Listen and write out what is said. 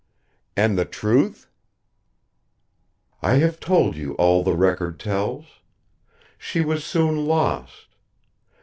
"And the truth?" "I have told you all the record tells. She was soon lost.